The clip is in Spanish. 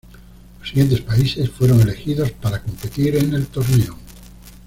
Los siguientes países fueron elegidos para competir en el torneo.